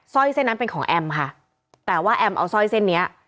ร้อยเส้นนั้นเป็นของแอมค่ะแต่ว่าแอมเอาสร้อยเส้นเนี้ย